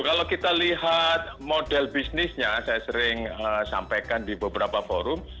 kalau kita lihat model bisnisnya saya sering sampaikan di beberapa forum